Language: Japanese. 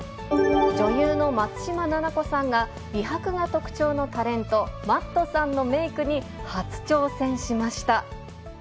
女優の松嶋菜々子さんが美白が特徴のタレント、Ｍａｔｔさんのメークに初挑戦しました。